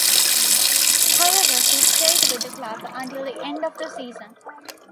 However, he stayed with the club until the end of the season.